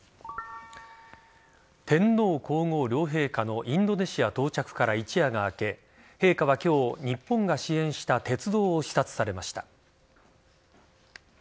天皇皇后両陛下のインドネシア到着から一夜が明け陛下は今日日本が支援した鉄道を視察されました。